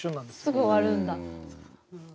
すぐ終わるんだ。